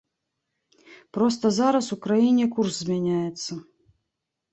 Проста зараз у краіне курс змяняецца.